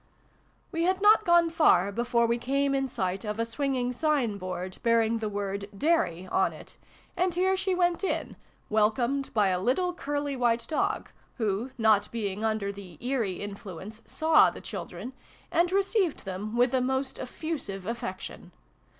We had not gone far before we came in sight of a swinging sign board bearing the word ' DAIRY ' on it, and here she went in, welcomed by a little curly white dog, who, not being vi] WILLIE'S WIFE. 91 under the ' eerie ' influence, saw the children, and received them with the most effusive affec tion.